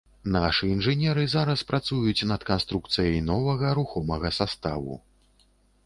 Нашы інжынеры зараз працуюць над канструкцыяй новага рухомага саставу.